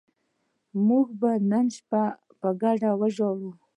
موږ به نن شپه په ګډه ژاړو